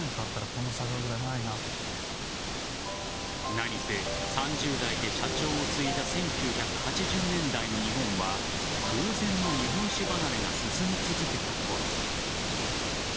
何せ、３０代で社長を継いだ１９８０年代の日本は空前の日本酒離れが進み続けたころ。